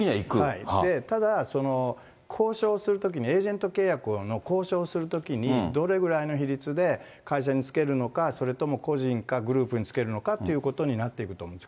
ただ交渉するときにエージェント契約の交渉をするときに、どれぐらいの比率で会社につけるのか、それとも個人につけるのか、グループにつけるのかということになっていくと思います。